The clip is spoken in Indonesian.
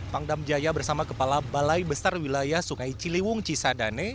pangdam jaya bersama kepala balai besar wilayah sungai ciliwung cisadane